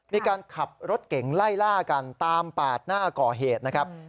มีการขับรถเก่งไล่ล่ากันตามปาดหน้าก่อเหตุนะครับ